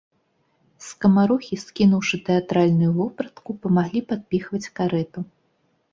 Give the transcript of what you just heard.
Скамарохі, скінуўшы тэатральную вопратку, памаглі падпіхваць карэту.